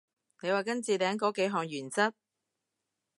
你話跟置頂嗰幾項原則？